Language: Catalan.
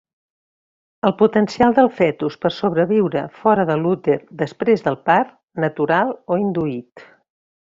El potencial del fetus per sobreviure fora de l'úter després del part, natural o induït.